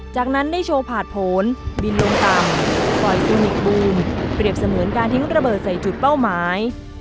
จากนั้นได้โชว์ผ่านผลบินลงต่ำปล่อยกูนิคบูมเปรียบเสมือนการทิ้งระเบิดใส่จุดเป้าหมาย